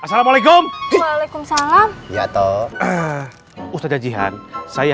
assalamualaikum waalaikumsalam gatot wu saja cihan saya